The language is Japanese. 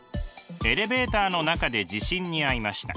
エレベーターの中で地震にあいました。